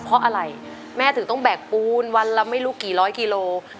เพราะอะไรแม่ถึงต้องแบกปูนวันละไม่รู้กี่ร้อยกิโล